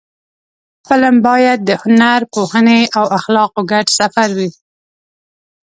فلم باید د هنر، پوهنې او اخلاقو ګډ سفر وي